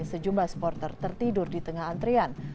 sejumlah sporter tertidur di tengah antrean